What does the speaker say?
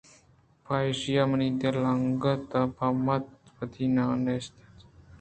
پہ ایشیءَ منی دل ءَانگتءَ پہ وت بدی مان نیست اِنت